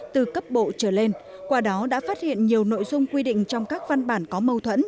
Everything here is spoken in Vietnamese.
từ cấp bộ trở lên qua đó đã phát hiện nhiều nội dung quy định trong các văn bản có mâu thuẫn